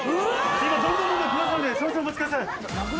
今どんどん来ますので少々お待ちください。